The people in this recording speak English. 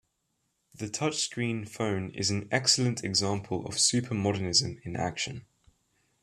The touchscreen phone is an excellent example of supermodernism in action.